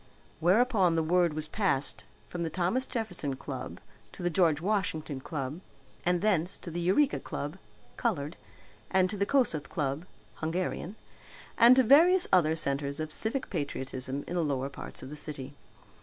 Whereupon the word was passed from the Thomas Jefferson Club to the George Washington Club and thence to the Eureka Club (coloured), and to the Kossuth Club (Hungarian), and to various other centres of civic patriotism in the lower parts of the city.